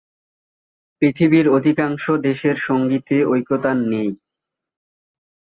পৃথিবীর অধিকাংশ দেশের সঙ্গীতে ঐকতান নেই।